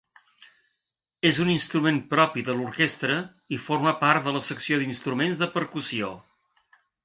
És un instrument propi de l'orquestra i forma part de la secció d'instruments de percussió.